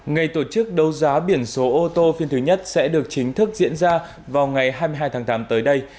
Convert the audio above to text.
ngày tổ chức đấu giá biển số ô tô phiên thứ nhất sẽ được chính thức diễn ra vào ngày hai mươi hai tháng tám tới đây